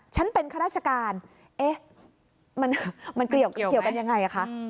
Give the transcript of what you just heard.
ฉันเป็นข้าราชการเอ๊ะมันเกี่ยวกันยังไงคะ